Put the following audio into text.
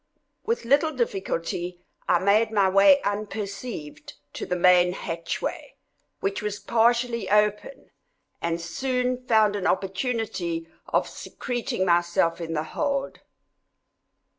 With little difficulty I made my way unperceived to the main hatchway, which was partially open, and soon found an opportunity of secreting myself in the hold.